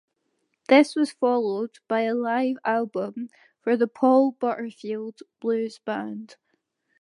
This was followed by a live album for the Paul Butterfield Blues Band.